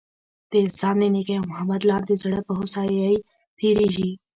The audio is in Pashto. د انسان د نیکۍ او محبت لار د زړه په هوسايۍ تیریږي.